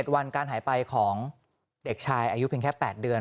๗วันการหายไปของเด็กชายอายุเพียงแค่๘เดือน